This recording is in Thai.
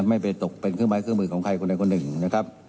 ไม่ตกเป็นเครื่องหมายเครื่องหมายของใครคนหนึ่งนะครับ